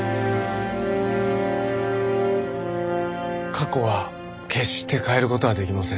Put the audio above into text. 過去は決して変える事はできません。